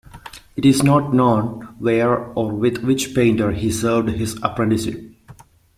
It is not known where or with which painter he served his apprenticeship.